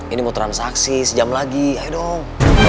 ini mau transaksi sejam lagi ayo dong